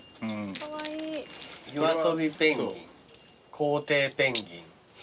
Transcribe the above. イワトビペンギンコウテイペンギン。